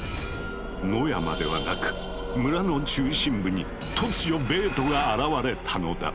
野山ではなく村の中心部に突如ベートが現れたのだ。